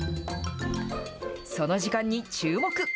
その時間に注目。